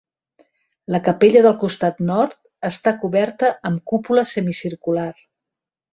La capella del costat nord està coberta amb cúpula semicircular.